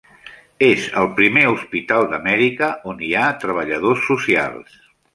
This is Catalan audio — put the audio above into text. És el primer hospital d"Amèrica on hi ha treballadors socials.